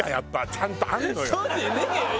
ちゃんとあるのよ。